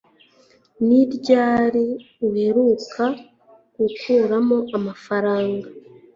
Ni ryari uheruka gukuramo amafaranga